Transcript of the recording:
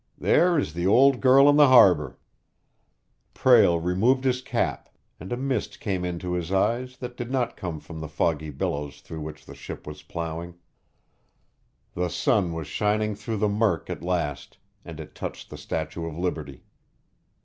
There is the Old Girl in the Harbor!" Prale removed his cap, and a mist came into his eyes that did not come from the foggy billows through which the ship was plowing. The sun was shining through the murk at last, and it touched the Statue of Liberty.